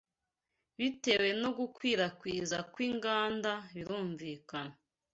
bitewe nogukwirakwiza kwinganda birumvikana